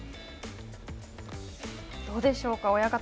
どうでしょうか、親方。